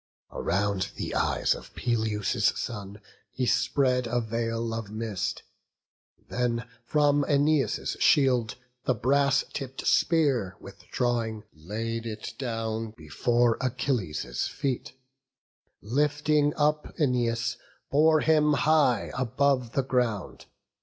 Around the eyes of Peleus' son he spread A veil of mist; then from Æneas' shield The brass tipp'd spear withdrawing, laid it down Before Achilles' feet; and lifting up Æneas, bore him high above the ground.